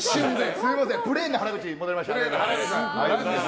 すみませんプレーンな原口に戻りました。